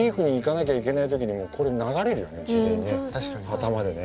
頭でね。